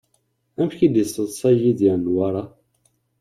Amek i d-yesseḍṣay Yidir Newwara?